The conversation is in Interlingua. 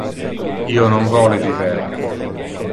Io non vole viver.